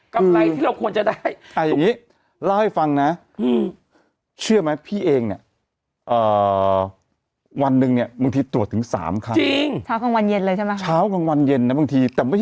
กำไรที่เราควรจะได้